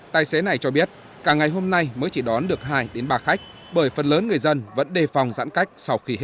tài xế này cho biết cả ngày hôm nay mới chỉ đón được hai đến ba khách bởi phần lớn người dân vẫn đề phòng giãn cách